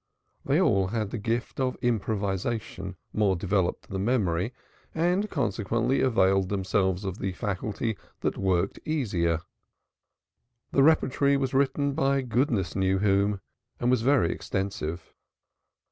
They all had the gift of improvisation more developed than memory, and consequently availed themselves of the faculty that worked easier. The repertory was written by goodness knew whom, and was very extensive.